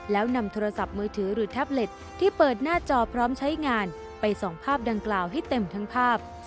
แล้วนำโทรศัพท์มือถือหรือแท็บเล็ตที่เปิดหน้าจอพร้อมใช้งานไปส่องภาพดังกล่าวให้เต็มทั้งภาพ